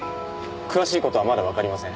詳しい事はまだわかりません。